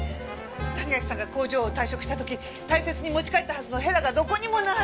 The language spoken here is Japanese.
谷垣さんが工場を退職した時大切に持ち帰ったはずのへらがどこにもない！